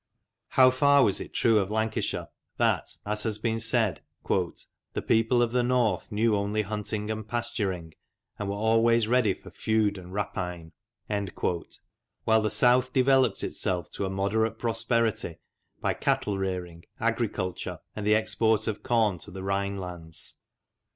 How far was it true of Lancashire that, as has been said, " the people of the north knew only hunting and pasturing, and were always ready for feud and rapine," while the south developed itself to a moderate prosperity by cattle rearing, agriculture, and the export of corn to the Rhine lands?